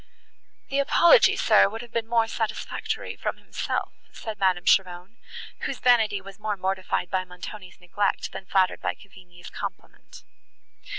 "The apology, sir, would have been more satisfactory from himself," said Madame Cheron, whose vanity was more mortified by Montoni's neglect, than flattered by Cavigni's compliment.